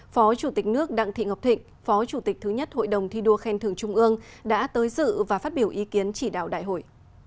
phó chủ tịch nước đặng thị ngọc thịnh phó chủ tịch thứ nhất hội đồng thi đua khen thưởng trung ương đã tới dự và phát biểu ý kiến chỉ đạo đại hội